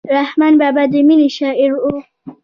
رحمان بابا د مینې شاعر و.